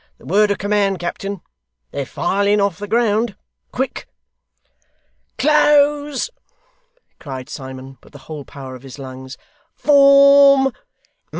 The word of command, captain! They're filing off the ground. Quick!' 'Close!' cried Simon, with the whole power of his lungs. 'Form!